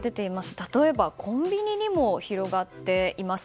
例えばコンビニにも広がっています。